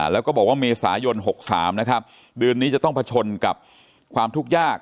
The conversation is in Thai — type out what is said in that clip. แล้วก็บอกว่าเมษายน๖๓นะครับเดือนนี้จะต้องเผชิญกับความทุกข์ยาก